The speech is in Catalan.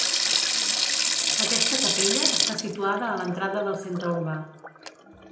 Aquesta capella està situada a l'entrada del centre urbà.